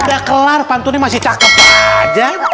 udah kelar pantunnya masih cakep aja